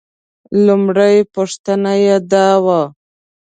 لومړۍ پوښتنه یې دا وه.